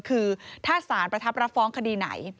คือถ้าสารประทับรับฟ้องคดีไหน